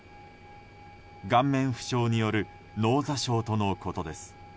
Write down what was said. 顔面負傷による脳挫傷とのことです。